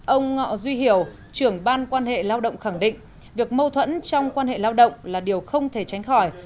ông ngọ duy hiểu trưởng ban quan hệ lao động khẳng định việc mâu thuẫn trong quan hệ lao động là điều không thể tránh khỏi